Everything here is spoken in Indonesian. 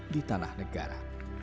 di tanah negara